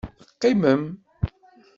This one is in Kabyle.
Teqqimem.